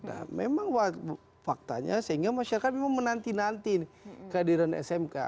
nah memang faktanya sehingga masyarakat memang menanti nanti kehadiran smk